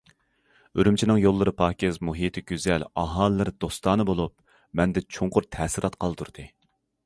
ئۈرۈمچىنىڭ يوللىرى پاكىز، مۇھىتى گۈزەل، ئاھالىلىرى دوستانە بولۇپ، مەندە چوڭقۇر تەسىرات قالدۇردى.